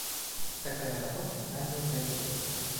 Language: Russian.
Такая работа нами уже ведется.